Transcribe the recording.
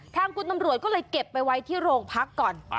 ทางคุณตำรวจก็เลยเก็บไปไว้ที่โรงพักก่อน